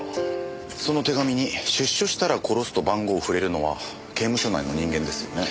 その手紙に「出所したら殺す」と番号を振れるのは刑務所内の人間ですよね。